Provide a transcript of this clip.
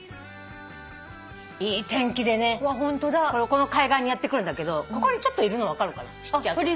この海岸にやって来るんだけどここにちょっといるの分かるかな。